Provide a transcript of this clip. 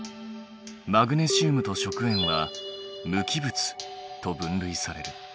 マグネシウムと食塩は無機物と分類される。